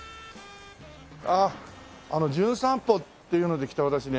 あっあの『じゅん散歩』っていうので来た私ね